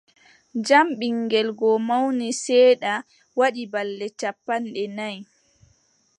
Jam ɓiŋngel goo mawni seeɗa, waɗi balɗe cappanɗe nayi.